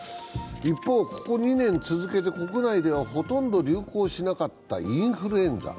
一方、ここ２年続けて国内ではほとんど流行しなかったインフルエンザ。